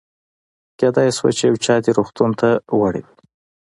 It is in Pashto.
کېدای شوه چې یو چا دې روغتون ته وړی وي.